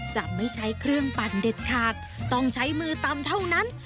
จะไม่ใช้เครื่องปั่นเด็ดขาดต้องใช้มือตำเท่านั้น